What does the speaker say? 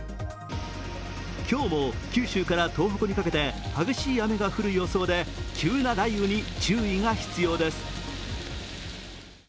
今日も九州から東北にかけて激しい雨が降る予想で急な雷雨に注意が必要です。